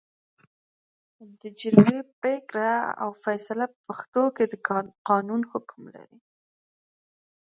د جرګې پرېکړه او فېصله په پښتو کې د قانون حکم لري